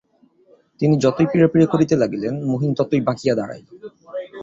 তিনি যতই পীড়াপীড়ি করিতে লাগিলেন, মহিন ততই বাঁকিয়া দাঁড়াইল।